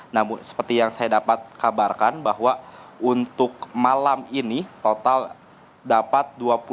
namun seperti yang saya dapat kabarkan bahwa untuk malam ini total dapat dua puluh delapan enam ratus tujuh puluh lima